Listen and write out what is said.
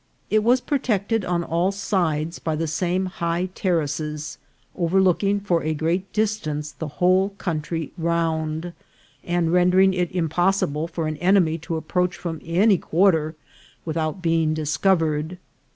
It was protected on all sides by the same high terraces, overlooking for a great dis tance the whole country round, and rendering it im possible for an enemy to approach from any quarter without being discovered.